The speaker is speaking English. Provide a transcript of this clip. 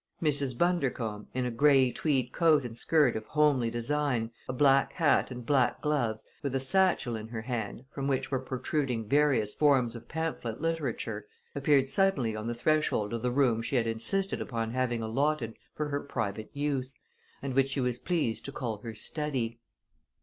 Mrs. Bundercombe, in a gray tweed coat and skirt of homely design, a black hat and black gloves, with a satchel in her hand, from which were protruding various forms of pamphlet literature, appeared suddenly on the threshold of the room she had insisted upon having allotted for her private use, and which she was pleased to call her study.